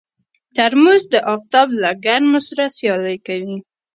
ترموز د افتاب له ګرمو سره سیالي کوي.